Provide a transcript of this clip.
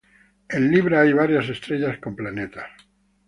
En Libra hay varias estrellas con planetas.